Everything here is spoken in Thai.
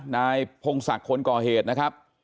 นายพงศักดิ์คนก่อเหตุนะครับ